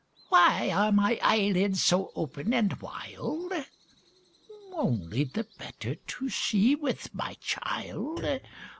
"Why are my eyelids so open and wild?" Only the better to see with, my child!